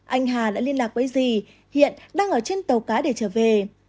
anh hà đã liên lạc với di hiện đang ở trên tàu cá để trở về